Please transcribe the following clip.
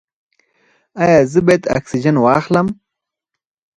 ایا زه باید اکسیجن واخلم؟